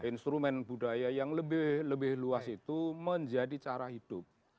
instrumen budaya yang lebih luas itu menjadi cara hidup